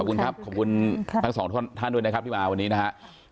ขอบคุณครับขอบคุณทั้งสองท่านด้วยนะครับที่มาวันนี้นะครับ